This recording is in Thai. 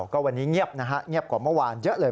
ก็วันนี้เงียบนะฮะเงียบกว่าเมื่อวานเยอะเลย